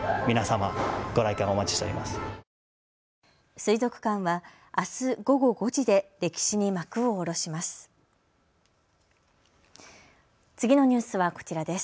水族館はあす午後５時で歴史に幕を下ろします。